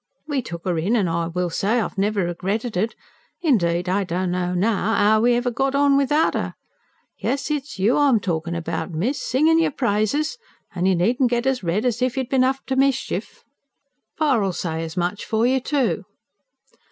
We tuck 'er in, an', I will say, I've never regretted it. Indeed I don't know now, 'ow we ever got on without 'er. Yes, it's you I'm talkin' about, miss, singin' yer praises, an' you needn't get as red as if you'd bin up to mischief! Pa'll say as much for you, too."